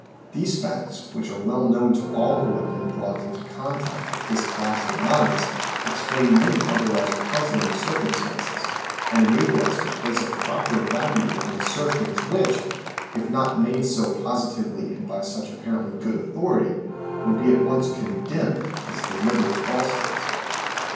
These facts, which are well known to all who have been brought into contact with this class of minds, explain many otherwise puzzling circumstances and enable us to place 74 THE SEVEN FOLLIES OF SCIENCE a proper value on assertions which, if not made so posi tively and by such apparently good authority, would be at once condemned as deliberate falsehoods.